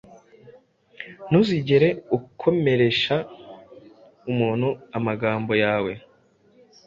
Ntuzigera ukomeresha umuntu amagambo yawe